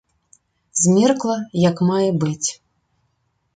Змеркла як мае быць.